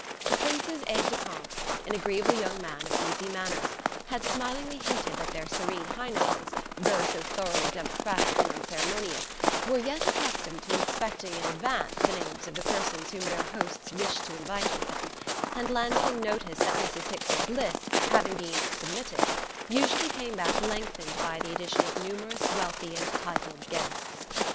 The Prince's aide de camp an agreeable young man of easy manners had smilingly hinted that their Serene Highnesses, though so thoroughly democratic and unceremonious, were yet accustomed to inspecting in advance the names of the persons whom their hosts wished to invite with them; and Lansing noticed that Mrs. Hicks's lists, having been "submitted," usually came back lengthened by the addition of numerous wealthy and titled guests.